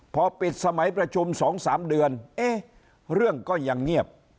พอปิดสมัยประชุม๒๓เดือนเอ๊ะเรื่องก็ยังเงียบ